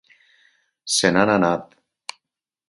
Se n'han anat.